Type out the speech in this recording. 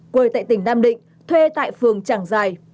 quê tại tỉnh nam định thuê tại phường trảng giài